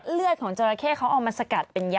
เลือดของจราเข้เขาเอามาสกัดเป็นยา